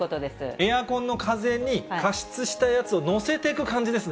エアコンの風に加湿したやつを載せていく感じですね、